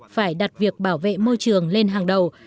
phải đặt việc bảo vệ môi trường lên hàng đầu